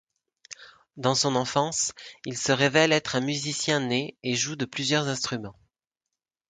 Dans son enfance, il se révèle être un musicien-né et joue de plusieurs instruments.